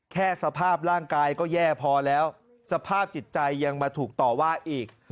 แค่สภาพร่างกายก็แย่พอแล้วสภาพจิตใจยังมาถูกต่อว่าอีก